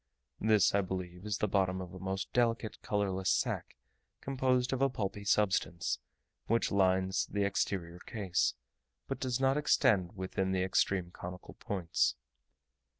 This, I believe, is the bottom of a most delicate, colourless sac, composed of a pulpy substance, which lines the exterior case, but does not extend within the extreme conical points.